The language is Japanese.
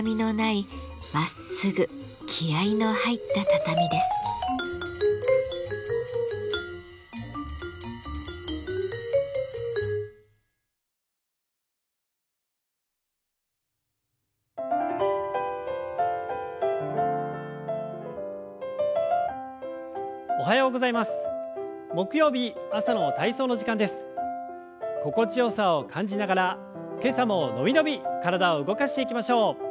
心地よさを感じながら今朝も伸び伸び体を動かしていきましょう。